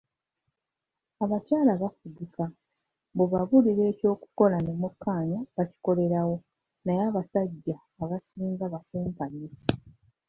Abakyala bafugika, bw’obabuulira ekyokukola ne mukkaanya bakikolerawo naye abasajja abasinga bakumpanya.